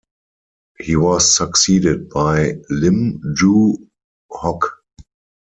He was succeeded by Lim Yew Hock.